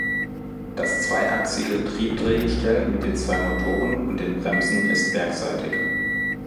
Das zweiachsige Triebdrehgestell mit den zwei Motoren und den Bremsen ist bergseitig.